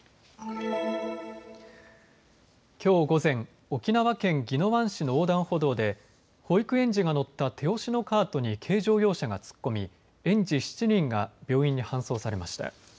きょう午前、沖縄県宜野湾市の横断歩道で保育園児が乗った手押しのカートに軽乗用車が突っ込み園児７人が病院に搬送されました。